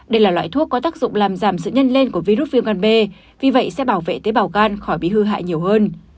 đây là loại thuốc có tác dụng làm giảm sự nhân lên của virus viêm gan b vì vậy sẽ bảo vệ tế bào gan khỏi bị hư hại nhiều hơn